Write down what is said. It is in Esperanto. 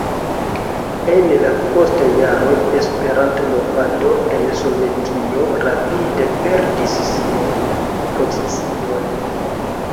En la postaj jaroj Esperanto-movado en Sovetio rapide perdis siajn poziciojn.